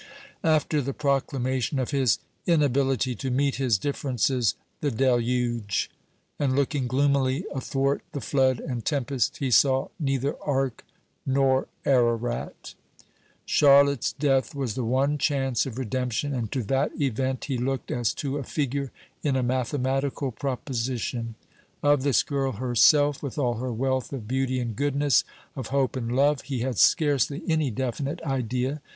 After the proclamation of his inability to meet his differences the Deluge: and, looking gloomily athwart the flood and tempest, he saw neither ark nor Ararat. Charlotte's death was the one chance of redemption; and to that event he looked as to a figure in a mathematical proposition. Of this girl herself, with all her wealth of beauty and goodness, of hope and love, he had scarcely any definite idea.